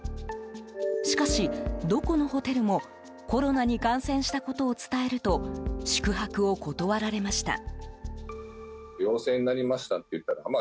しかし、どこのホテルもコロナに感染したことを伝えると宿泊を断られました。